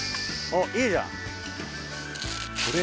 おっいいじゃん。